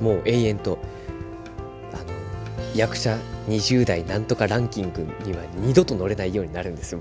もう永遠と「役者２０代何とかランキング」には二度と載れないようになるんですよ